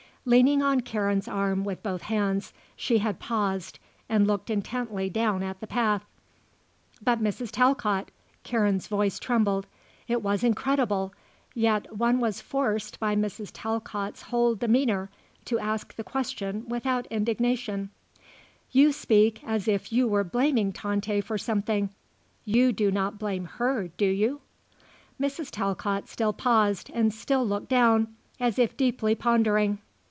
Leaning on Karen's arm with both hands she had paused and looked intently down at the path. "But Mrs. Talcott," Karen's voice trembled; it was incredible, yet one was forced by Mrs. Talcott's whole demeanour to ask the question without indignation "you speak as if you were blaming Tante for something. You do not blame her, do you?" Mrs. Talcott still paused and still looked down, as if deeply pondering.